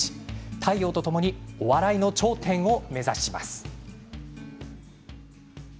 太陽とともにお笑いの頂点を目指します。